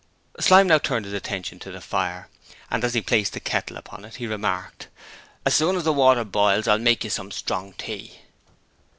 Slyme now turned his attention to the fire, and as he placed the kettle upon it he remarked: 'As soon as the water boils I'll make you some strong tea.'